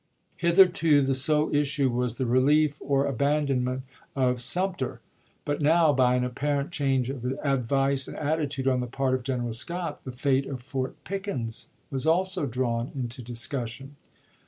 Hitherto the sole issue was the relief or abandonment of Sumter; but now, by an apparent change of ad vice and attitude on the part of General Scott, the fate of Fort Pickens was also drawn into discussion.